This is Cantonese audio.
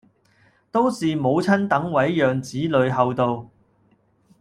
都是母親等位讓子女後到